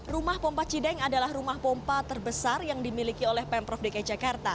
rumah pompa cideng adalah rumah pompa terbesar yang dimiliki oleh pemprov dki jakarta